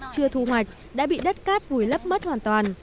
chưa thu hoạch đã bị đất cát vùi lấp mất hoàn toàn